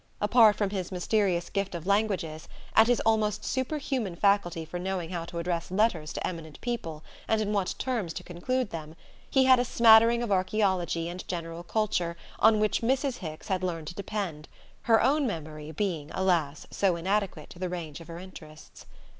Apart from his mysterious gift of languages, and his almost superhuman faculty for knowing how to address letters to eminent people, and in what terms to conclude them, he had a smattering of archaeology and general culture on which Mrs. Hicks had learned to depend her own memory being, alas, so inadequate to the range of her interests.